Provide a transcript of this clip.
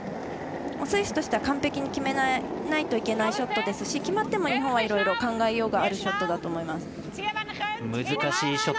スイスとしては完璧に決めないといけないショットですので決まっても日本はいろいろ考えようがあるショットだと思います。